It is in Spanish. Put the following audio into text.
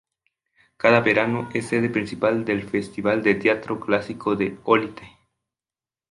Cada verano es sede principal del Festival de Teatro Clásico de Olite.